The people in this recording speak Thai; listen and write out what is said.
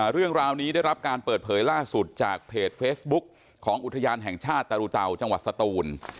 เรื่องราวนี้ได้รับการเปิดเผยล่าสุดจากเพจเฟซบุ๊กของอุทยานแห่งชาติตรูเตาจังหวัดสตูน